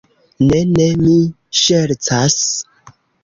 Ne, ne. Mi ŝercas.